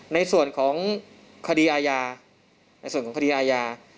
ในส่วนของคดีอาญา